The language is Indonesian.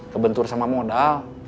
kebentur sama modal